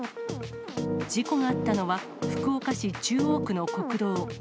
事故があったのは、福岡市中央区の国道。